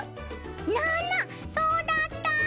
ななっそうだった！